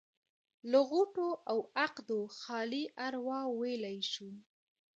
له غوټو او عقدو خالي اروا ويلی شو.